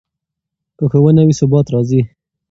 که ښوونه وي، ثبات راځي.